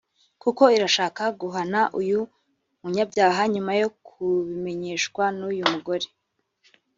kuko irashaka guhana uyu munyabyaha nyuma yo kubimenyeshwa n’uyu mugore